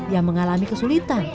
yang mengalami kesulitan